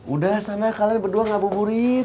udah sana kalian berdua ngabuburit